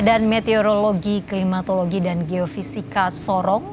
badan meteorologi klimatologi dan geofisika sorong